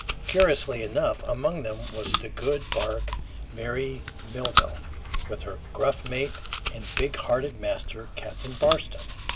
Curiously enough, among them was the good bark Mary Melville, with her gruff mate and big hearted master, Captain Barston.